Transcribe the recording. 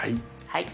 はい。